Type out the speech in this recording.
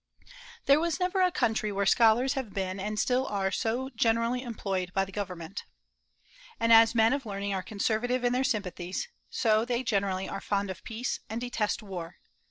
There never was a country where scholars have been and still are so generally employed by Government. And as men of learning are conservative in their sympathies, so they generally are fond of peace and detest war.